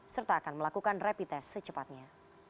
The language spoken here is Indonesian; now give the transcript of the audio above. serta akan melakukan rapid test secepatnya